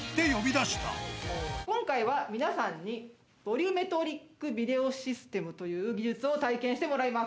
今回は皆さんに、ボリュメトリックビデオシステムという技術を体験してもらいます。